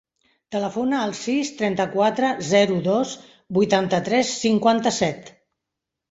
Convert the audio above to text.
Telefona al sis, trenta-quatre, zero, dos, vuitanta-tres, cinquanta-set.